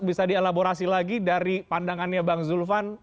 bisa dielaborasi lagi dari pandangannya bang zulfan